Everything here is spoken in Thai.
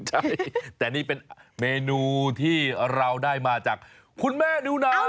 ใช่แต่นี่เป็นเมนูที่เราได้มาจากคุณแม่นิวนาว